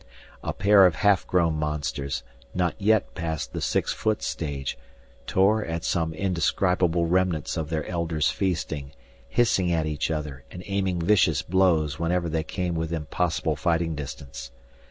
A pair of half grown monsters, not yet past the six foot stage, tore at some indescribable remnants of their elders' feasting, hissing at each other and aiming vicious blows whenever they came within possible fighting distance.